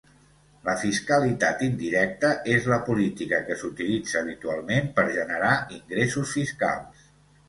La fiscalitat indirecta és la política que s"utilitza habitualment per generar ingressos fiscals.